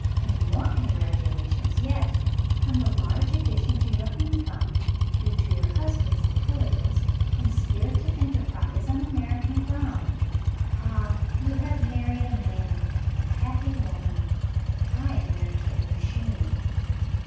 And more congratulations yet on the large addition to your income, due to your husband's intelligence and spirit of enterprise on American ground. Ah, you have married a Man! Happy woman! I am married to a Machine.